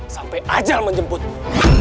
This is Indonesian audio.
sampai ajal menjemputmu